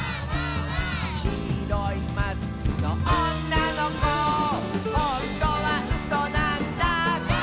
「きいろいマスクのおんなのこ」「ほんとはうそなんだ」